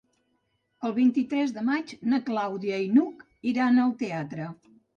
El vint-i-tres de maig na Clàudia i n'Hug iran al teatre.